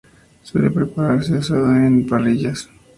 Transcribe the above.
Suele prepararse asada o en parrillas.